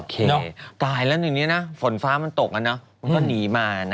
โอเคตายแล้วทุกอย่างนี้นะฝนฟ้ามันตกแล้วเนาะมันก็หนีมานะ